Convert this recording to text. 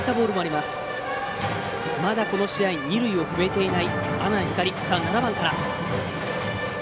まだこの試合二塁を踏めていない阿南光７番から。